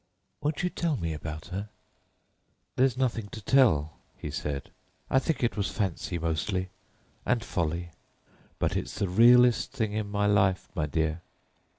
"Won't you tell me about her?" "There's nothing to tell," he said. "I think it was fancy, mostly, and folly; but it's the realest thing in my long life, my dear."